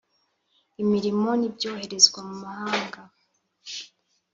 imirimo n’ibyoherezwa mu mahanga